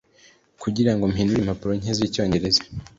kugirango mpindure impapuro nke zicyongereza